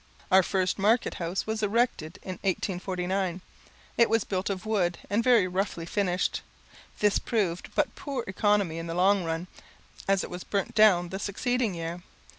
Our first market house was erected in 1849; it was built of wood, and very roughly finished. This proved but poor economy in the long run, as it was burnt down the succeeding year.